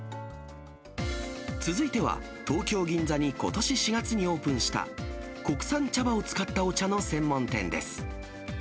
続いては、東京・銀座にことし４月にオープンした、国産茶葉を使ったお茶の専門店です。